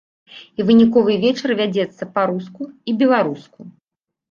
І выніковы вечар вядзецца па-руску і беларуску.